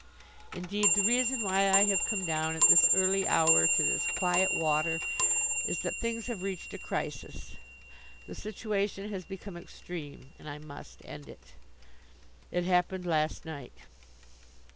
Indeed, the reason why I have come down at this early hour to this quiet water is that things have reached a crisis. The situation has become extreme and I must end it. It happened last night.